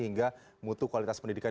hingga mutu kualitas pendidikan